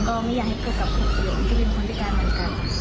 ก็ไม่อยากให้เกิดการี้ก็เป็นเหตุการณ์เหมือนกัน